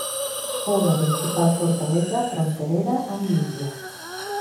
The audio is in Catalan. Fou la principal fortalesa fronterera amb Líbia.